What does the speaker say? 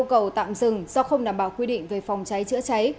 công an bị yêu cầu tạm dừng do không đảm bảo quy định về phòng cháy chữa cháy